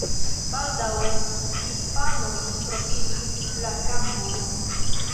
Baldaŭe hispanoj profitis la kampojn.